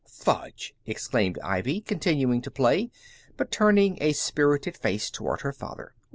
"Fudge!" exclaimed Ivy, continuing to play, but turning a spirited face toward her father.